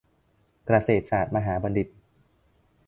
เกษตรศาสตรมหาบัณฑิต